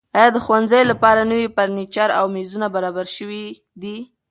ایا د ښوونځیو لپاره نوي فرنیچر او میزونه برابر شوي دي؟